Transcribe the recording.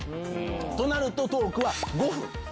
となるとトークは５分。